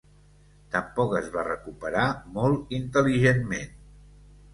Tampoc es va recuperar molt intel·ligentment.